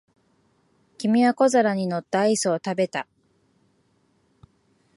君は小皿に乗ったアイスを食べた。